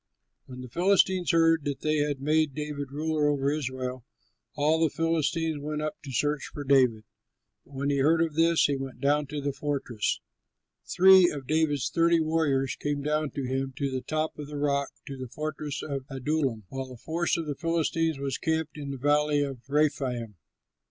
When the Philistines heard that they had made David ruler over Israel, all the Philistines went up to search for David; but when he heard of this he went down to the fortress. Three of David's thirty warriors went down to him to the top of the rock, to the fortress of Adullam, while a force of the Philistines was camped in the Valley of Rephaim.